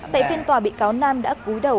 tại phiên tòa bị cáo nam đã cúi đầu